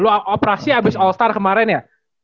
lu operasi abis all star kemaren ya